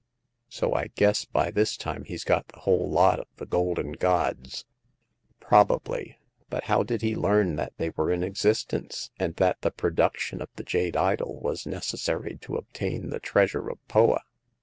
So I guess by this time he's got the whole lot of the golden gods." Probably ; but how did he learn that they were in existence, and that the production of the jade idol was necessary to obtain the treasure of Poa